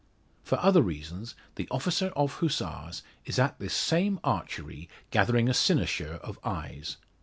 For other reasons the officer of Hussars is at this same archery gathering a cynosure of eyes.